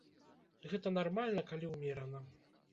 Гэта нармальна, калі ўмерана.